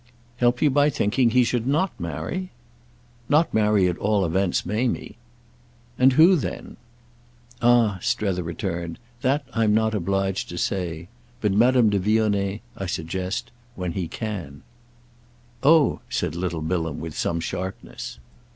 "Help you by thinking he should not marry?" "Not marry at all events Mamie." "And who then?" "Ah," Strether returned, "that I'm not obliged to say. But Madame de Vionnet—I suggest—when he can.' "Oh!" said little Bilham with some sharpness.